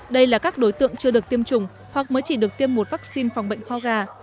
đây là các đối tượng chưa được tiêm chủng hoặc mới chỉ được tiêm một vaccine phòng bệnh ho gà